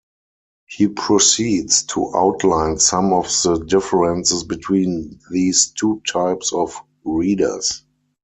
He proceeds to outline some of the differences between these two types of readers.